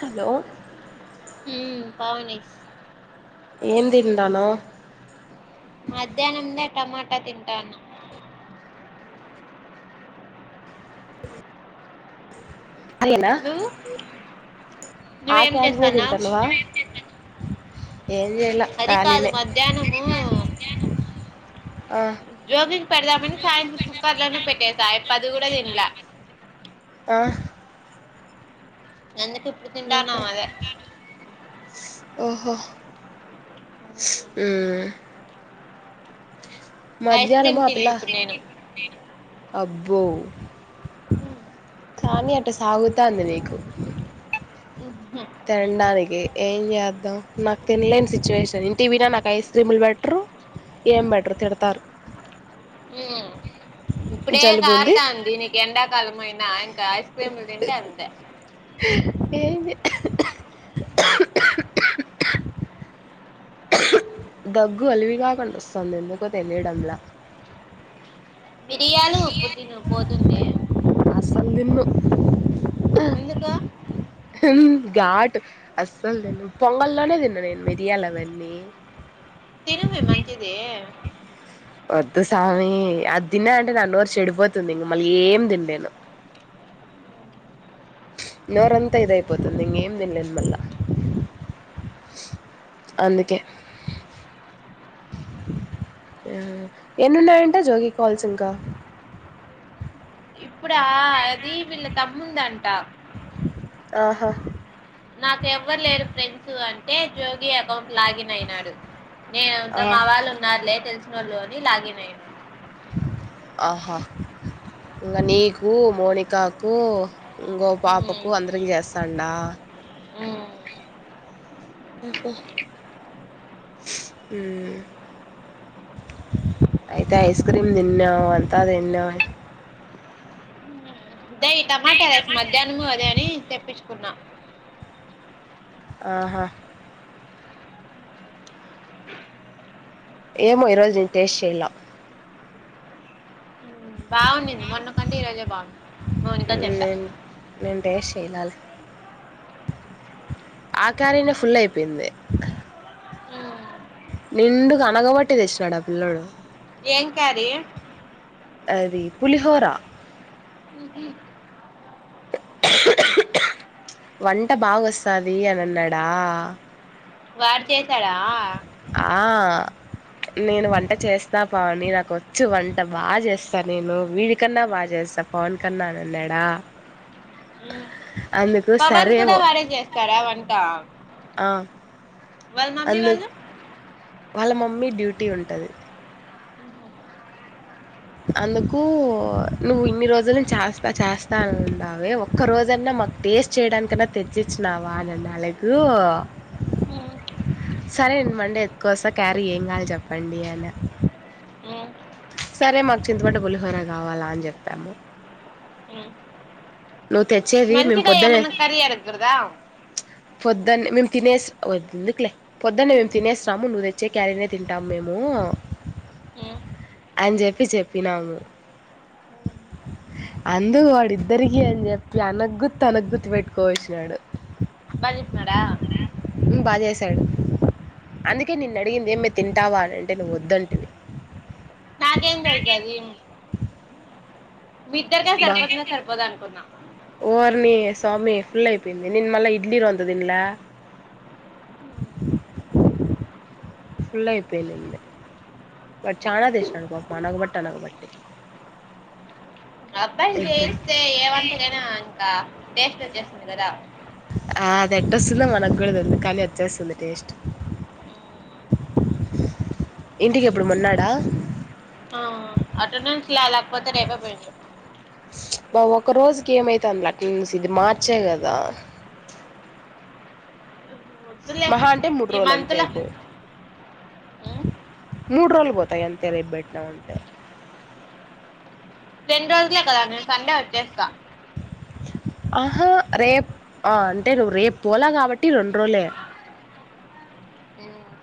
Hello హు పావని ఏం తింటానవ్ మధ్యాహ్నందే టమాటా తింటాన అదేనా నువ్వు? ఆ నువ్వేం క్యారినె చేస్తన్నావు? తింటనవ అది కాదు మధ్యాహ్నము ఆ జోగింగ్ పెడదామని సాయంత్రం కుక్కర్లోనే పెట్టేసా అయి అదిగూడ తిన్లా ఆ అందుకు ఇప్పుడు ఆహా తింటాన్నం అదే ఓహో హూ ఐస్ మధ్యాహ్నము క్రీమ్ ఆపిల్ల తింటిప్పుడు నేను. అబ్బో కానీ అ అట్ట సాగుతంది నీకు హుహు. తిండానికి ఏం చే దాం నాకు తినలేని సిచ్యువేషన్ ఇంటికి పోయిన నాకు ఐస్ క్రీములు బెట్టరు ఏం బెట్టరు తిడతారు హు ఇప్పుడే జలుబు ఉంది కారతాంది నీకు ఎండాకాలమయినా నా ఇంక ఐస్ క్రీమ్లు తింటే అంతె ఏంది దగ్గు అలివిగాకుండా వస్తుంది ఎందుకో తెలియడంలా మిరియాలు ఉప్పు తిను పోతుంది అసలు దిన్ను ఎందుకు? ఘాటు అస్సలు తింన్ను పొంగల్లోనే తిన్ను నేను మెరియాలి అవన్నీ తినవే మంచిదే వద్దు స్వామి అది తిన్నా అంటే నా నోరు చెడిపోతుంది ఇంక మళ్ళీ ఏం తింలేను నోరంతా ఇదయిపోతుంది ఇంకేం తినలేను మళ్ళా అందుకే ఆ ఎన్నిన్నాయంట జోగి కాల్స్ ఇంకా ఇప్పుడా అది వీళ్ళ తమ్ముందంట ఆహా నాకు ఎవ్వరు లేరు ఫ్రెండ్స్ అం ఏ జోగి అకౌంట్ లాగ్ ఇన్ అయినాడు నేను ఇదో ఆ మా వాళ్ళు ఉన్నారులే తెలుసు ఫోన్ లోని లాగిన్ అయిన ఆహా ఇంగ నీకు మోనికాకు ఇంగో పాపకు అందరికి చేస్తా నా ఉమ్ [unintelligible] ఉమ్ అయితే ఐస్ క్రీమ్ తిన్నావు అంతా తిన్నావు అదే టమాటా రైస్ మధ్యాహ్నము అదే అని తెప్పించు కున్నా ఆహా ఏమో ఈ రోజు నేను టేస్ట్ చెయలా బాగునింది మొన్నకంటే ఈ రజే బాగుంది మౌనిక చెప్ప నేను నేను టేస్ట్ చెయ్యాలి ఆ క్యారీనే ఫుల్ అయిపోయింది హ్మ్. నిండుగా అనగబట్టే తెచ్చినాడు ఆ పిల్లోడు ఏం క్యారీ అది పులిహోరా ఉహు వంట బాగోస్తాది అని అన్నాడా వాడు చేశాడా ఆ నేను వంట చేస్తా పావని నాకు వచ్చూ వంట బాగా చేస్తా నేను వీడి కన్నా బాగా చేస్తా పవన్ కన్నా అని అన్నాడా హ్మ్. అందుకు పవన్ సరే కూడా ఓ వారే చేస్తారా వంట ఆ వాళ్ళ మమ్మీ అందు వాళ్ళు? వాళ్ళ మమ్మీ డ్యూటీ ఉంటది అందుకు నువ్వు ఇన్ని రోజులు చేస్తా చేస్తా అ ఉన్నావే ఒక్క రోజన్నా మాకు టేస్ట్ చేయడానికన్నా తెచ్చిచ్చినావా అనినాలుగు హ్మ్. సరే నేను మండే ఎతుకోస్తా క్యారీ ఏం కాాలి చెప్పండి అన్న హ్మ్. సరే మాకు చింతపండు పులిహోర కావాలా అని చెప్పాము హ్మ్. నువ్వు తెచ్చేది మేము మంచిగా పొద్దునే ఏమన్నా కర్రి అడగకూడదా పొద్దున్న మేము తినేసిందుకులే పొద్దున్న మేము తినేసాము నువ్వు తెచ్చే క్యారీనే తింటాము మేము హ్మ్. అని చెప్పి చెప్పినాము అందుకు వాడిద్దరికి అని చెప్పి అనగ్గుర్తి అనగ్గుర్తు పెట్టుకోవచ్చినాడు [unintelligible] బాగా చేసాడు అందుకే నిన్న అడిగింది ఏమే తింటావా అని అంటే నువ్వు వద్దంటివి నాకేం తెలుసు అది మీ ఇద్దరిక బా సరిపోతున్నా సరిపోదు అనుకున్నా ఓర్ని స్వామి ఫుల్ అయిపోయింది నేను మళ్ళా ఇడ్లీ రంత దీంలా ఫుల్ అయిపోయిందింది బట్ చాలా తెచ్చినాడు పాప అనగ బట్టి అనగ బట్టి అబ్బాయిలు చేస్తే ఏ వంటకైనా ఇంకా టేస్ట్ వచ్చేస్తుంది కదా ఆ అది ఎట్టొస్తుందొ మనకు కూడ తెలీదు కానీ వచ్చేస్తుంది టేస్ట్ ఇంటికి ఎప్పుడు మొన్నాడా ఆ అటెండెన్స్ లా లేకపోతే రేపేపోయిందు బ ఒక రోజుకి ఏమైతంది అటెనెన్స్ ఇది మార్చ్ ఎ కదా వద్దులే మహా అంటె మూడు ఈ రోజులు మంత్ అంతె లో అయిపోవ్ ఉమ్, మూడు రోజులు పోతాయి అంతె రేపు బెట్టినావంటే టెన్ రోజులే కదా నేను సండే వచ్చేస్తా. ఆహా రేప్ ఆ అంటే నువ్వు రేపు పోలా కాబట్టి రొండు రోజులే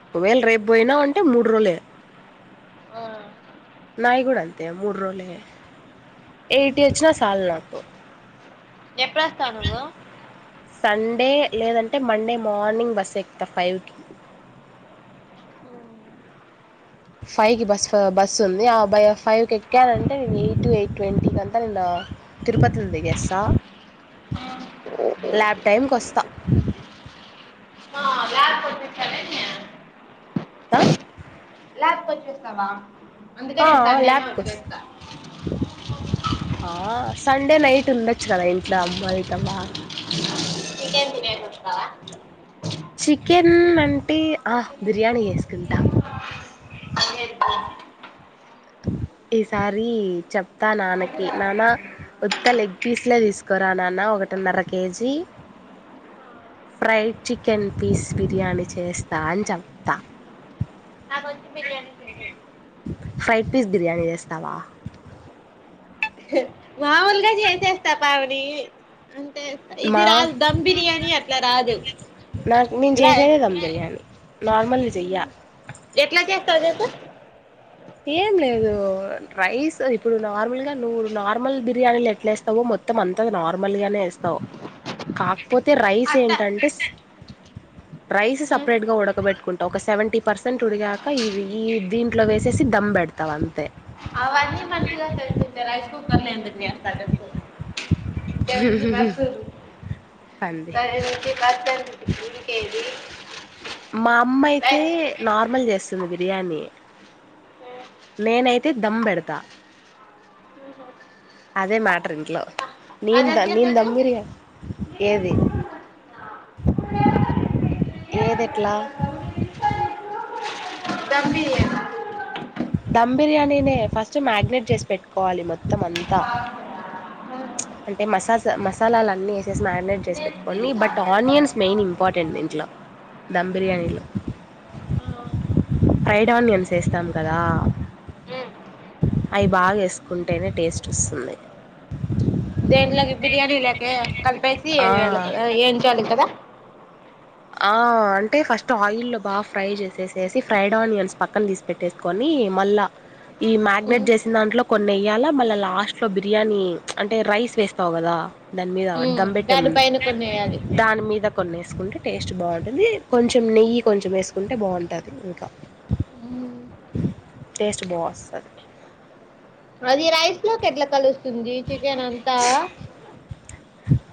ఒకవేళ రేపు పోయినావంటే మూడు రోజులె. ఆ, నాయి కూడ అంతె మూడు రోజులె. ఎయిటీ వచ్చినా సాలు నాకు. ఎప్పుడొస్తావ్ నువ్వు సండే లేదంటె మండే మార్నింగ్ బస్ ఎక్కుతా ఫైవ్కి ఫైవ్కి బస్ బస్ ఉంది. ఆ బ ఫైవ్కి ఎక్కానంటే నేను ఎయిటు ఎయిట్ ట్వంటీకి అంతా నెన్న తిరుపతిలో దిగేస్తా ల్యాబ్ టైంకొస్తా. ఆ, ల్యాబ్కి వచ్చేస్తానే నేను. అ చేస్తావా అందుకె నేన్ సండేనె ల్యాబ్కి వస్తా. వచ్చేస్తా ఆ సండే నైట్ ఉండచ్చు కదా ఇంట్లో అమ్మోల్లతో బాగ చికెన్ బిర్యానీ వతావా చి కెన్ అంటె బిర్యాని చేసుకుంటా మల్లెది ఈసారి చెప్తా నాన్నకి నాన్న ఉత్త లెగ్ పీస్లే తీసుకోరా నాన్న ఒకటిన్నర KG, fried chicken piece biryani చేస్తా అని చెప్తా. నాకొచ్చి బిర్యానీ చేసేది ఫ్రైడ్ పీస్ బిర్యానీ చేస్తావా? మాములుగా చేసేస్తా పావిడి ఇది మా రాదు ధమ్ బిర్యానీ అట్లా రాదు ఇలా నార్మల్ ది చెయ్యా ఎట్ల చేస్తావు చెప్పు ఏం లేదు రైస్ ఇప్పుడు నార్మల్ గా నువ్వు నార్మల్ బిర్యానీలు ఎట్లా ఏస్తావో మొత్తం అంత నార్మల్గానే ఏస్తావు, కాకపోతే రైస్ అట్ట ఏంటంటే రైస్ సపరేట్ గా ఉడకబెట్టుకుంటావు. ఒక సెవెంటీ పర్సెంట్ ఉడిగాక ఇ దీంట్లో వేస్ సేసి దమ్ పెడతావ్ అంతె విడిగా చేసుకుంటే రైస్ కు కుక్కర్ లొ ఎందుకు చేస్తా చెప్పు సెవెంటీ పర్సు టు పంది సరే okay bye must and should దేనికే ఇది మా అమ్మ అయితే నార్ మల్ చేస్తది బిర్యానీ నేనైతే దమ్ పెడతా అదే మ్యాటర్ ఇంట్లో అది నీంద ద ఎట్లా నీంద చెప్పు దమ్ంిరియ ఏది ఏది ఎట్లా దమ్ బిర్యానీ ధమ్ బిర్యానీనే ఫస్ట్ మ్యారినేట్ చేసి పెట్టుకోవాలి మొత్తం అంతా అంటే మసాసా మసాలాలు అన్నీ వేసేసి మ్యారినేట్ చేసి నేను పెట్టుకోని skills but onions main important దీంట్లో ధమ్ బిర్యానీలో ఆడతాను ఫ్రైడ్ ఆనియన్స్ వేస్తాం కదా అవి బాగా వేసుకుంటేనే టేస్ట్ వస్తుంది దేంలో బిర్యానీ లేక ఆ కలిపేసిళ కా ఏంచాలి కదా ఆ అంటే ఫస్ట్ ఆయిల్ లో బాగా ఫ్రై చేసేసేసి ఫ్రైడ్ ఆనియన్స్ పక్కన తీసి పెెట్టేసుకొని మళ్ళా ఈ మ్యారినేట్ చేసిన దాంట్లో కొన్ని వయ్యాలా మళ్ళా లాస్ట్ లో బిర్యానీ అంటే రైస్ వేస్తావు కదా దాని మీద ఉమ్ ధమ్ పెట్టే దాని ముందు పైన కొన్ని వేయాలి దాని మీద కొన్ని వేసుకుంటే టేస్ట్ బాగుంటుంది కొంచెం నెయ్యి కొంచెం వేసుకుంటే బాగుంటుంది ఇంకా టేస్ట్ బాగా వస్తుంది అది రాైస్ లో కేట్ల కలుస్త తందిీ చికెన్ అంతా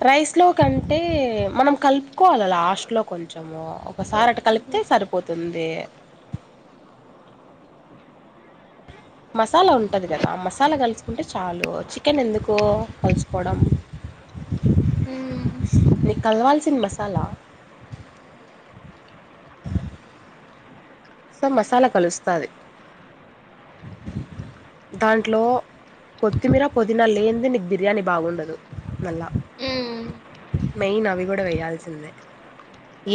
రైస్ లో కంటే మనం కలుపుకోవాల లాస్ట్ లో కొంచెము ఒకసారి అటు కలిపితే సరిపోతుంది మసాలా ఉంటుంది కదా మసాలా కలుసుకుంటే చాలు చికెన్ ఎందుకు కలుసుకోవడం ఉమ్ నీకు కలవాల్సిన మసాలా సో మసాలా కలుస్తాంది దాంట్లో కొత్తిమీర పుదీనా లేని నీకు బిర్యానీ బాగుండదు మళ్ళా మెయిన్ అవి కూడా వేయాల్సిందే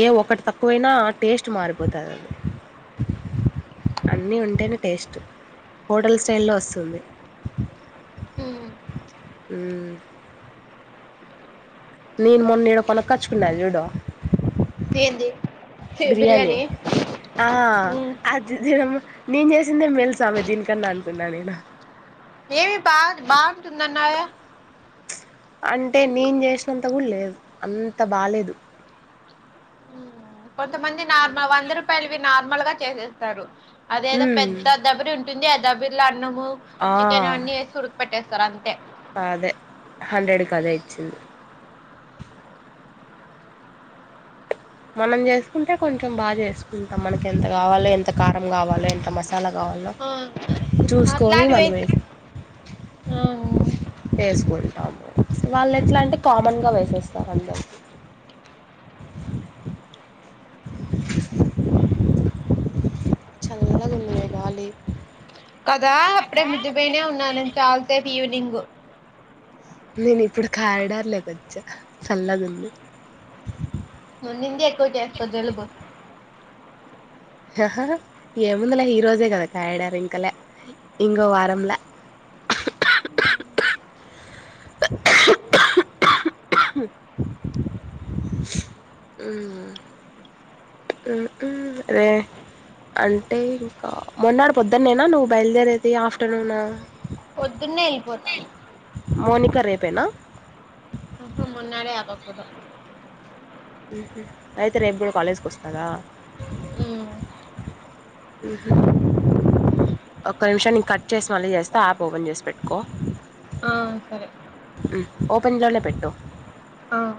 ఏ ఒకటి తక్కువైనా టేస్ట్ మారిపోతుంది అది అన్నీ ఉంటేనే టేస్ట్ హోటల్స్ స్టైల్లో వస్తుంది ఉమ్ అ నేను మొన్న నీడ కొనక్కచ్చుకున్నాను జూడ ఏంది ఛీ బిర్యాణి బిర్యానీ ఆ అది దిన నేను చేసిందే మెల్స్ స్వామి దీనికన్నా అనుకున్నా నేను ఏవి బా బాతుందన్నాయా అంటే నేను చేసినంత కూడా లేదు అంత బాేదు కొంతమంది నార్మల్ వంద రూపాయలు నార్మల్ గా చేసేస్తారు అదేదా ఉమ్ పెద్ద దెబరి ఉంటుంది అ బలాడి ఆ చికెన్ అన్ని సడు పట్ట సర అంత అదే హండ్రెడ్ క అదే ఇచ్చింది మనం చేసుకుంటే కొంచెం బాగా చేసుకుంటాం మనకి ఎంత కావాలో ఎంత కారం కావాలో ఎంత మస్త చాలా కావాాల ఆ చూసుకొని అట్లాంటివి మనమే వేసుకోడి వు వాళ్ళు ఎట్లా అంటే కామన్ గా వేసేస్తారు అందరి చల్గా ఉందిమే కావాలి కదా అప్పుడే మద్దుపోయినే ఉన్నానను చాలతే ఫీూలి బ నేను ఇప్పుడు కారిడార్ లేక వచ్చా చల్లదుంది ను నిందే ఎక్కోటి అపోద్ వెలుగుు ఏముందలే ఈరోజే కదా కాయడారు ఇంకలా ఇంకో వారంలా అరే అంటే ఇంకా మొన్నడు పొద్దున్నేనా నువ్వు బయలుదేరేది ఆఫ్టర్నూన్ పొద్దున్నే వెళ్ళిపోతాం మోనిక రేపేనా హ మున్నాడే ఆబకుదా అయితే రేపు కూడా కాలేజ్కి వస్తారా మ్ ఒక్క నిమిషాన్ని కట్ చేసి మళ్ళీ చేస్తే యాప్ ఓపెన్ చేసి పెట్టుకో ఆ సరే ఓపెన్ లోలో పెట్టో ఆ